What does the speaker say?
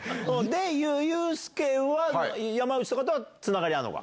で、ユースケは、山内とかとはつながりあるのか？